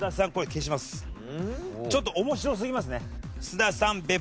ちょっと面白すぎますね。